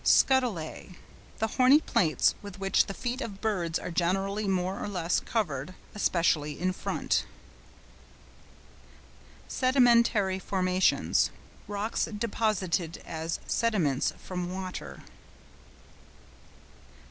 SCUTELLÆ.—The horny plates with which the feet of birds are generally more or less covered, especially in front. SEDIMENTARY FORMATIONS.—Rocks deposited as sediments from water.